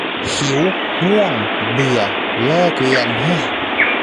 หิว ง่วง เบื่อ เลิกเรียนเห้อ